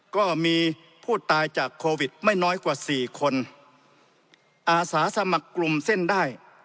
ก็มีผู้ตายจากโควิดไม่น้อยกว่าสี่คนอาสาสมัครกลุ่มเส้นได้